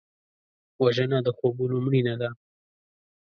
وژنه د خوبونو مړینه ده